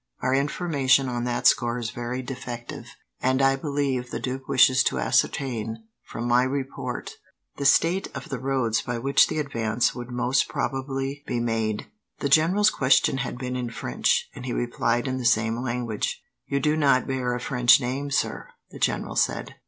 Our information on that score is very defective, and I believe the duke wishes to ascertain, from my report, the state of the roads by which the advance would most probably be made." The general's question had been in French, and he replied in the same language. "You do not bear a French name, sir," the general said.